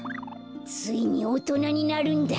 ついにおとなになるんだ！